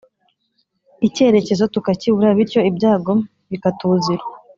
icyerekezo tukakibura bityo ibyago bikatuzira